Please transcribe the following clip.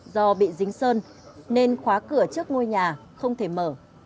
do bị dính sơn nên khóa cửa trước ngôi nhà không thể mở